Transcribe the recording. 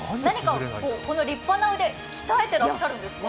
この立派な腕、鍛えてらっしゃるんですか。